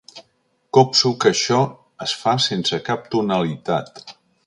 Copso que això es fa sense cap tonalitat.